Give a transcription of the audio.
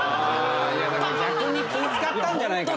だから逆に気ぃ使ったんじゃないかな。